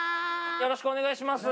よろしくお願いします